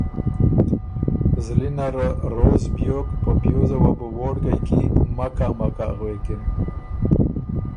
زلی نره روز بیوک په پیوزه وه بُو ووړکئ کی ”مکا مکا“ غوېکِن۔